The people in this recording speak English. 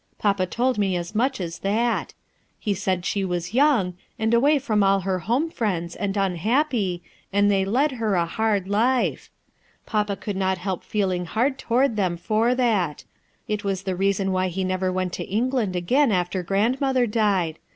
Papa told me as much as that* He said she was young, PUZZLING QUESTIONS Wl and away rrom all her home friends ami « n W )V and they ted her a hard life. P apa could not help feeling hard toward them for that It was the reason why ho never went to England again after Grandmother died.